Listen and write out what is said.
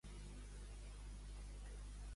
Anar-li el diable prop.